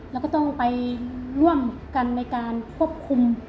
แล้วก็ต้องไปร่วมกันในการควบคุม